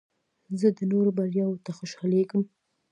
زه د نورو بریاوو ته خوشحالیږم.